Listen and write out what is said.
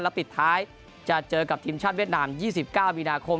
ปิดท้ายจะเจอกับทีมชาติเวียดนาม๒๙มีนาคม